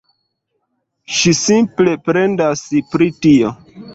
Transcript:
Ŝi simple plendas pri tio.